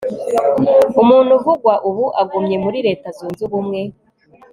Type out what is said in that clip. umuntu uvugwa ubu agumye muri leta zunze ubumwe